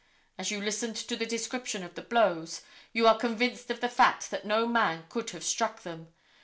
As you listened to the description of the blows, you are convinced of the fact that no man could have struck them.